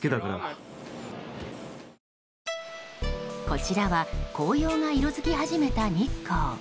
こちらは紅葉が色づき始めた日光。